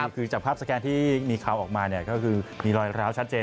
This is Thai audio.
คือจากภาพสแกนที่มีข่าวออกมาก็คือมีรอยร้าวชัดเจน